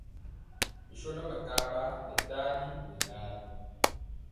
Bɛshóndo mekaŋan ŋɛ tani ŋɛ larli.